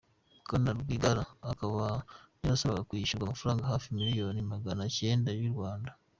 BwanaRwigara akaba yarasabaga kwishyurwa amafaranga hafi miliyoni Magana acyenda y’u Rwanda.